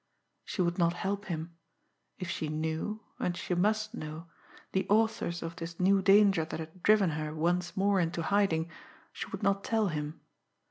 She would not help him. If she knew, and she must know, the authors of this new danger that had driven her once more into hiding, she would not tell him.